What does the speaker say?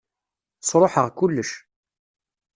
Sṛuḥeɣ kullec.